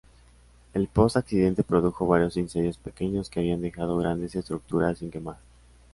El post-accidente produjo varios incendios pequeños que habían dejado grandes estructuras sin quemar.